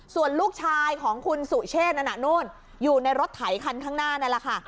ส่วนลูกชายของคุณสุเชษนั้นนู่นอยู่ในรถไถคันข้างหน้านั่นแหละค่ะ